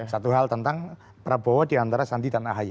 satu hal tentang prabowo diantara sandi dan ahy